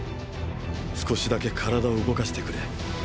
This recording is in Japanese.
少しだけ体を動かしてくれ。